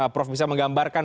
prof bisa menggambarkan